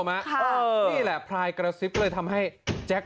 มานับตัวลงเสบหรือไม่เสบ